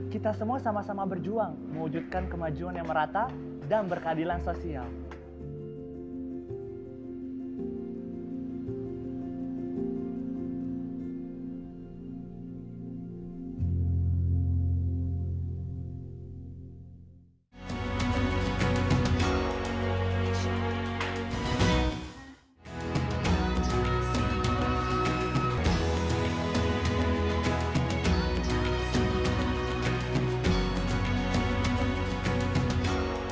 kita semua sama sama berjuang mewujudkan kemajuan yang merata dan berkeadilan sosial